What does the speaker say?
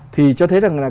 thì cho thấy rằng là